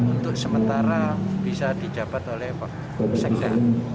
untuk sementara bisa dijabat oleh pak sekda